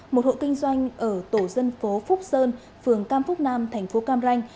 một hộ kinh doanh ở tổ dân phố phúc sơn phường cam phúc nam thành phố cam ranh